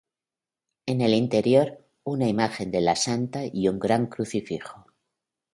El el interior, una imagen de la santa y una gran crucifijo.